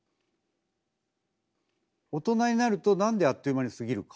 大人になるとなんであっという間に過ぎるか？